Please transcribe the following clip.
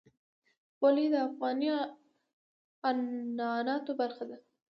خولۍ د افغاني عنعناتو برخه ده.